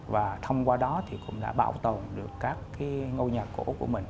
và thông qua đó thì cũng đã bảo tồn được các ngôi nhà cổ của mình